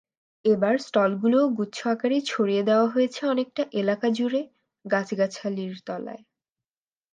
এবার স্টলগুলোও গুচ্ছ আকারে ছড়িয়ে দেওয়া হয়েছে অনেকটা এলাকাজুড়ে, গাছগাছালির তলায়।